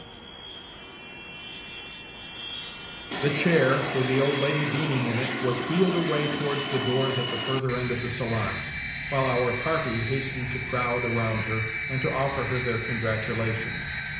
XI The chair, with the old lady beaming in it, was wheeled away towards the doors at the further end of the salon, while our party hastened to crowd around her, and to offer her their congratulations.